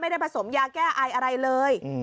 ไม่ได้ผสมยาแก้ไออะไรเลย